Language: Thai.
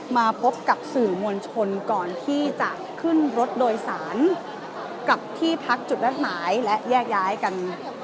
มาพบกับสื่อมวลชนก่อนที่จะขึ้นรถโดยสารกับที่พักจุดนัดหมายและแยกย้ายกัน